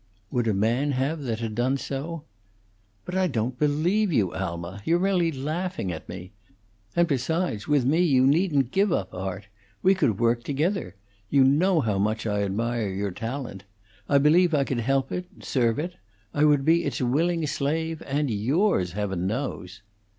"Would a man have that had done so?" "But I don't believe you, Alma. You're merely laughing at me. And, besides, with me you needn't give up art. We could work together. You know how much I admire your talent. I believe I could help it serve it; I would be its willing slave, and yours, Heaven knows!"